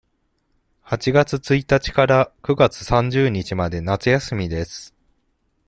八月一日から九月三十日まで夏休みです。